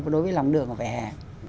đối với lòng đường và vẻ hè